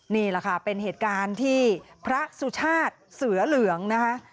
นี่แหละค่ะเป็นเหตุการณ์ที่พระสุชาติเสือเหลืองนะคะ